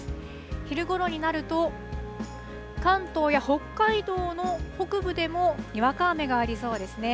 昼ごろになると、関東や北海道の北部でも、にわか雨がありそうですね。